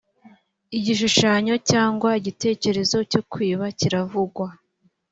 igishushanyo cyangwa icyitegererezo cyo kwiba kiravugwa